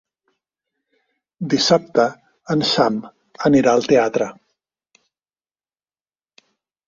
Dissabte en Sam anirà al teatre.